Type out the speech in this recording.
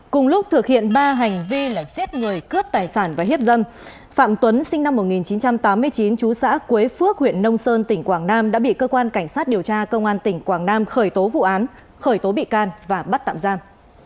cùng lúc thực hiện ba hành vi là giết người cướp tài sản và hiếp dâm phạm tuấn sinh năm một nghìn chín trăm tám mươi chín chú xã quế phước huyện nông sơn tỉnh quảng nam đã bị cơ quan cảnh sát điều tra công an tỉnh quảng nam khởi tố vụ án khởi tố bị can và bắt tạm giam